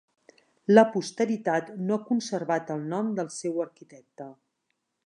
La posteritat no ha conservat el nom del seu arquitecte.